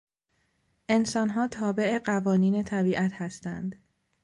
انسانها تابع قوانین طبیعت هستند.